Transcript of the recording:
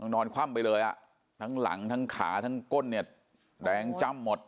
นอนคว่ำไปเลยทั้งหลังทั้งขาทั้งก้นแรงจ้ำหมด